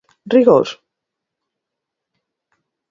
¿Rigor?